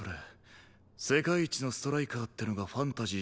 世界一のストライカーってのがファンタジーじゃなくなった感じ。